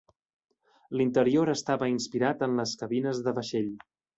L'interior estava inspirat en les cabines de vaixell.